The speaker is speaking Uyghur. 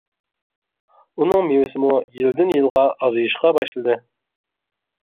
ئۇنىڭ مېۋىسىمۇ يىلدىن يىلغا ئازىيىشقا باشلىدى.